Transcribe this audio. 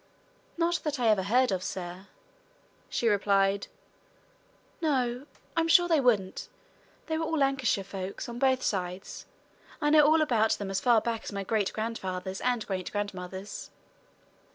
"Not that I ever heard of, sir," she replied. "No, I'm sure they wouldn't. They were all Lancashire folks, on both sides. I know all about them as far back as my great grandfather's and great grandmother's."